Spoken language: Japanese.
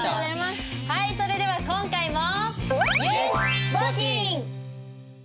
はいそれでは今回も。